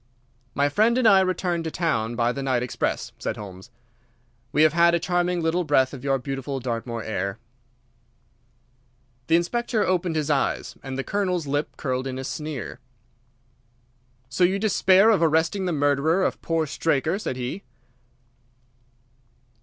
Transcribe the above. "My friend and I return to town by the night express," said Holmes. "We have had a charming little breath of your beautiful Dartmoor air." The Inspector opened his eyes, and the Colonel's lip curled in a sneer. "So you despair of arresting the murderer of poor Straker," said he.